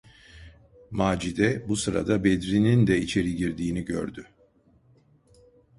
Macide bu sırada Bedri’nin de içeri girdiğini gördü.